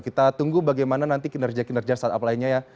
kita tunggu bagaimana nanti kinerja kinerja startup lainnya ya